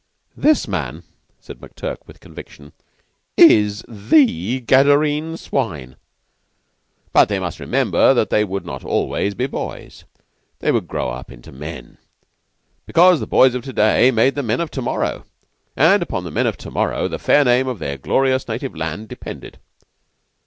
"This man," said McTurk, with conviction, "is the Gadarene Swine." But they must remember that they would not always be boys. They would grow up into men, because the boys of to day made the men of to morrow, and upon the men of to morrow the fair fame of their glorious native land depended.